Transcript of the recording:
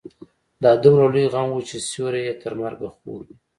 دا دومره لوی غم و چې سيوری يې تر مرګه خور وي.